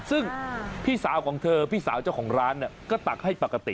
ซึ่งพี่สาวของเธอพี่สาวเจ้าของร้านเนี่ยก็ตักให้ปกติ